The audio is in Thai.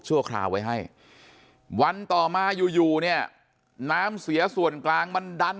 คราวไว้ให้วันต่อมาอยู่อยู่เนี่ยน้ำเสียส่วนกลางมันดัน